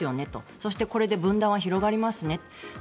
そしてこれで分断は広がりますね。